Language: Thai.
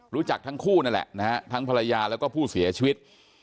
รู้จักทั้งคู่นั่นแหละนะฮะทั้งภรรยาแล้วก็ผู้เสียชีวิต